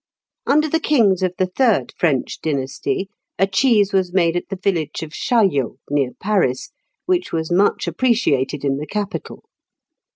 '" Under the kings of the third French dynasty, a cheese was made at the village of Chaillot, near Paris, which was much appreciated in the capital.